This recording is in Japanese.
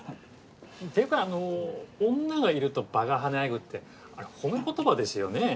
っていうかあの「女がいると場が華やぐ」ってあれ褒め言葉ですよねぇ。